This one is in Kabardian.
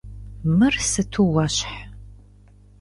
Мыр сыту уэщхь!